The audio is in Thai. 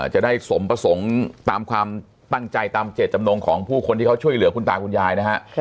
จะได้สมประสงค์ตามความตั้งใจตามเจตจำนงของผู้คนที่เขาช่วยเหลือคุณตาคุณยายนะฮะ